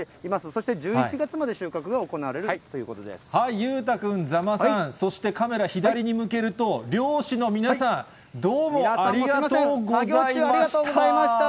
そして１１月まで収穫が行われる裕太君、座間さん、そしてカメラ、左に向けると漁師の皆さん、どうもありがとうございました。